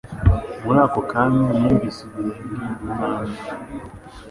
Muri ako kanya numvise ibirenge muntambwe